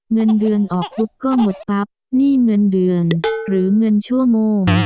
เงินเดือนออกปุ๊บก็หมดปั๊บหนี้เงินเดือนหรือเงินชั่วโมง